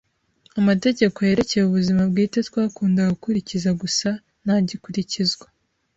Amategeko yerekeye ubuzima bwite twakundaga gukurikiza gusa ntagikurikizwa.